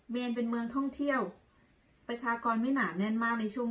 เป็นเมืองท่องเที่ยวประชากรไม่หนาแน่นมากในช่วง